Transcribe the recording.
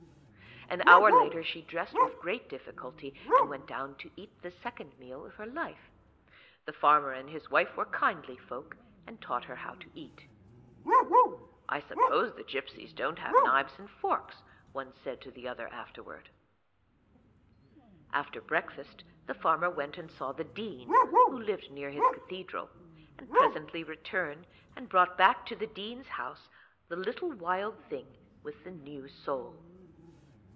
An hour later she dressed with great difficulty and went down to eat the second meal of her life. The farmer and his wife were kindly folk, and taught her how to eat. 'I suppose the gipsies don't have knives and forks,' one said to the other afterwards. After breakfast the farmer went and saw the Dean, who lived near his cathedral, and presently returned and brought back to the Dean's house the little Wild Thing with the new soul.